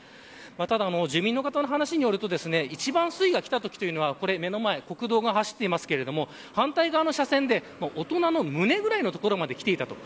ただ住民の方の話によると一番水位が来たときというのは目の前に国道が走っていますが反対側の車線で大人の胸ぐらいの所まできていたと。